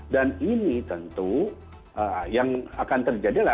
dan ini tentu yang akan terjadi lah